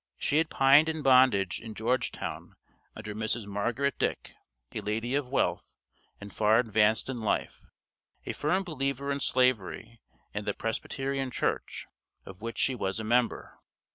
She had pined in bondage in Georgetown under Mrs. Margaret Dick, a lady of wealth and far advanced in life, a firm believer in slavery and the Presbyterian Church, of which she was a member.